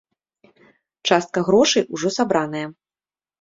Частка грошай ужо сабраная.